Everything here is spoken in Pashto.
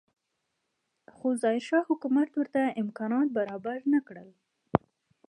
خو ظاهرشاه حکومت ورته امکانات برابر نه کړل.